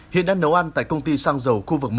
hiện đang nấu ăn tại công ty xăng dầu khu vực một